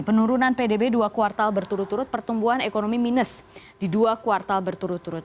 penurunan pdb dua kuartal berturut turut pertumbuhan ekonomi minus di dua kuartal berturut turut